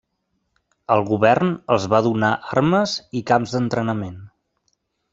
El govern els va donar armes i camps d'entrenament.